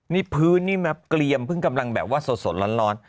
นี่พื้นนี่มาเกลียมเพิ่งกำลังแบบว่าสดร้อน